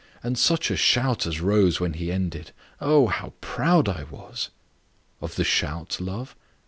And such a shout as rose when he ended oh, how proud I was!" "Of the shout, love?"